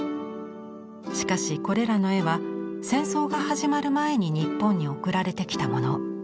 しかしこれらの絵は戦争が始まる前に日本に送られてきたもの。